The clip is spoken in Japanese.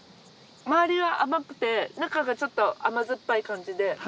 周りは甘くて中がちょっと甘酸っぱい感じで。